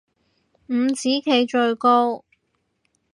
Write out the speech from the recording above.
五子棋最高